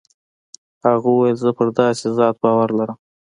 هغه وويل زه پر داسې ذات باور لرم.